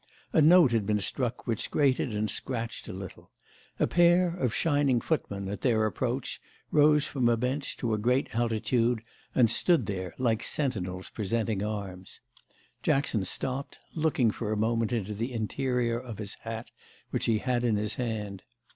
A note had been struck which grated and scratched a little. A pair of shining footmen, at their approach, rose from a bench to a great altitude and stood there like sentinels presenting arms. Jackson stopped, looking for a moment into the interior of his hat, which he had in his hand.